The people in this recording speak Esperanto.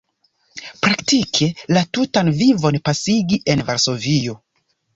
Praktike la tutan vivon pasigi en Varsovio.